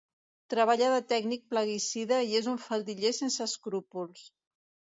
Treballa de tècnic plaguicida i és un faldiller sense escrúpols.